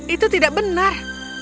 itu tidak benar